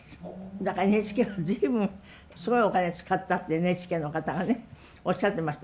だからＮＨＫは随分すごいお金使ったってＮＨＫの方がねおっしゃってました。